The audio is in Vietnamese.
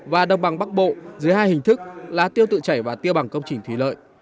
và đồng bằng bắc bộ dưới hai hình thức là tiêu tự chảy và tiêu bằng công trình thủy lợi